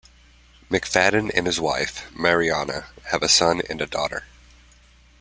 McFadden and his wife, Marianna, have a son and a daughter.